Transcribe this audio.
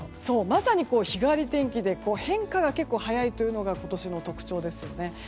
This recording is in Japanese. まさに日替わり天気で変化が結構早いというのが今年の特徴ですよね。